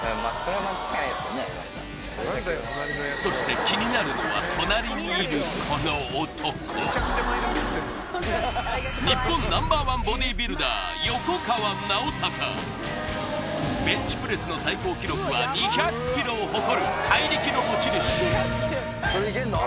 そして気になるのは隣にいる日本ナンバーワンボディビルダーベンチプレスの最高記録は２００ｋｇを誇る怪力の持ち主それいけんの？